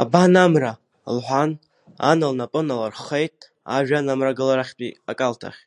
Абан Амра, — лҳәан, Ан лнапы налырххеит ажәҩан амрагыларахьтәи акалҭахь.